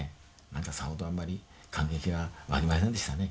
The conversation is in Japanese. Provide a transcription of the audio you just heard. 何かさほどあんまり感激は湧きませんでしたね。